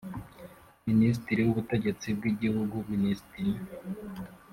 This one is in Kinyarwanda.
Minisitiri w Ubutegetsi bw Igihugu Minisitiri